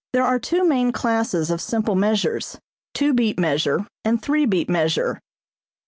There are two main classes of simple measures, two beat measure, and three beat measure.